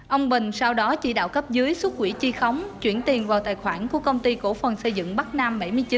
ông bình sau đó chỉ đạo cấp dưới xuất quỹ chi khống chuyển tiền vào tài khoản của công ty cổ phần xây dựng bắc nam bảy mươi chín